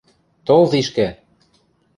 Тол тишкӹ!